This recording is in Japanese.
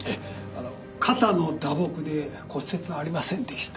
あの肩の打撲で骨折はありませんでした。